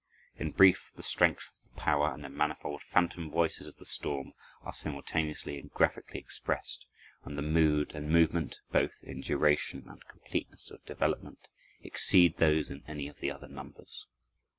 In brief, the strength, the power, and the manifold phantom voices of the storm are simultaneously and graphically expressed, and the mood and movement, both in duration and completeness of development, exceed those in any of the other numbers.